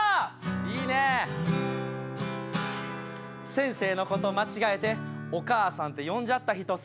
「先生のこと間違えてお母さんって呼んじゃった人好き」